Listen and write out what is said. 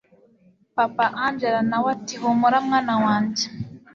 papa angella nawe ati humura mwana wanjye